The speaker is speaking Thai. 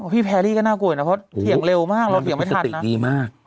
พี่แพรรี่ก็น่ากลัวเนี้ยเพราะเถียงเร็วมากเราเถียงไม่ทันนะมันมีความสติดีมาก